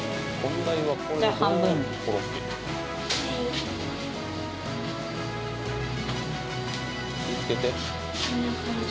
はいこんな感じ？